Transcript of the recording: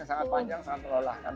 sangat panjang sangat terolahkan